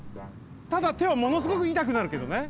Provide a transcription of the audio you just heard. ただてはものすごくいたくなるけどね。